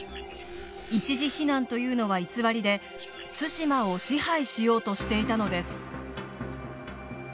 一時避難というのは偽りで対馬を支配しようとしていたのです。